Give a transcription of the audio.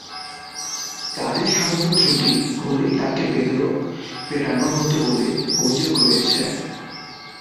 কাজে সামান্য ত্রুটি হলেই তাকে বেধড়ক পেটানো হতো বলে অভিযোগ রয়েছে।